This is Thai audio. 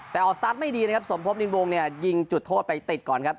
แต่ออกสตาร์ทไม่ดีนะครับสมพบนินวงเนี่ยยิงจุดโทษไปติดก่อนครับ